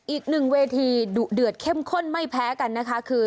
อีกหนึ่งเวทีดุเดือดเข้มข้นไม่แพ้กันนะคะคือ